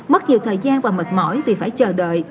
mất nhiều thời gian và mệt mỏi vì phải chờ đợi